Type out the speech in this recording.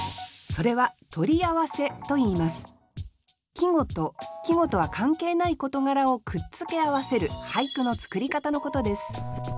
季語と季語とは関係ない事柄をくっつけ合わせる俳句の作り方のことです